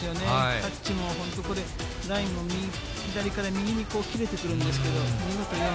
タッチもこれ、左から右に切れてくるんですけど、見事に。